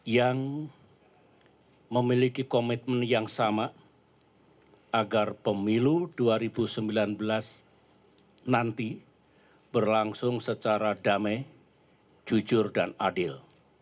yang memiliki komitmen yang sama agar pemilu dua ribu sembilan belas nanti berlangsung secara damai jujur dan adil